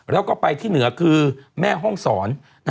แล้วก็ไปที่เหนือคือแม่ห้องศร